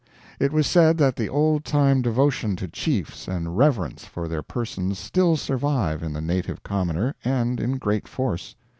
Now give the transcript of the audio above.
It was said that the old time devotion to chiefs and reverence for their persons still survive in the native commoner, and in great force.